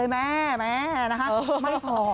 ไม่พอ